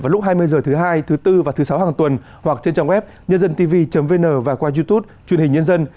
vào lúc hai mươi h thứ hai thứ bốn và thứ sáu hàng tuần hoặc trên trang web nhândantv vn và qua youtube truyền hình nhân dân